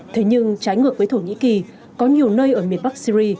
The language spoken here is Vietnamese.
thế nhưng trái ngược với thổ nhĩ kỳ có nhiều nơi ở miền bắc syri